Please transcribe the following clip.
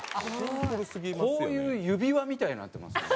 こういう指輪みたいになってますもん。